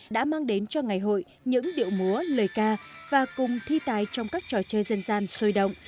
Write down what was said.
đã mang đến cho ngày hội những điệu múa lời ca và cùng thi tài trong các trò chơi dân gian sôi động